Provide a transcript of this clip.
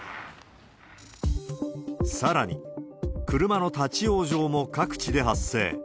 さらに、車の立往生も各地で発生。